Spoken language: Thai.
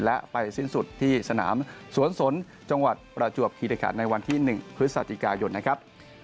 และไปสิ้นสุดที่สนามสวนสนจังหวัดประจวบคิริขันในวันที่๑พฤศจิกายนนะครับ